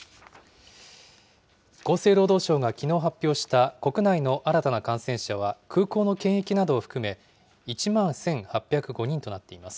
厚生労働省がきのう発表した、国内の新たな感染者は、空港の検疫などを含め、１万１８０５人となっています。